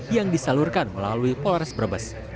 yang disalurkan melalui polres brebes